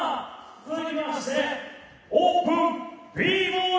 続きましてオープンＢＢＯＹ